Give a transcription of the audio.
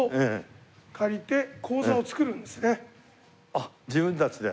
あっ自分たちで？